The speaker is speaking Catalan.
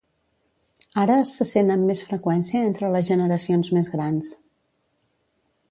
Ara, se sent amb més freqüència entre les generacions més grans.